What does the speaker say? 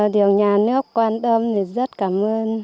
điều nhà nước quan tâm thì rất cảm ơn